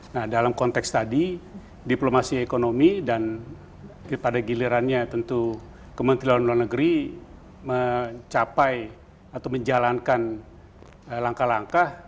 nah dalam konteks tadi diplomasi ekonomi dan pada gilirannya tentu kementerian luar negeri mencapai atau menjalankan langkah langkah